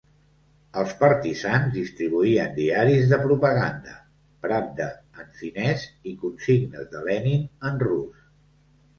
Els partisans distribuïen diaris de propaganda, "Pravda" en finès i "Consignes de Lenin" en rus.